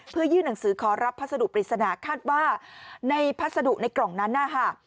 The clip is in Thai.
เพื่อยื่นหนังสือขอรับพัสดุปริศนาคาดว่าในพัสดุในกล่องนั้นนะคะ